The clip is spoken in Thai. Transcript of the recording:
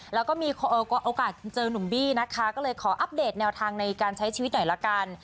แล้วก็มีโอกาสเจอหนุ่มบี้นะคะก็เลยขออัปเดตแนวทางในการใช้ชีวิตหน่อยละกัน